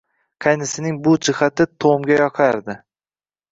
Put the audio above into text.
Qaynisining shu jihati Tomga yoqardi